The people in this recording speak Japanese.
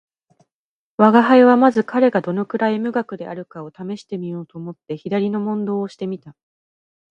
吾輩はまず彼がどのくらい無学であるかを試してみようと思って左の問答をして見た